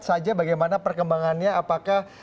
saja bagaimana perkembangannya apakah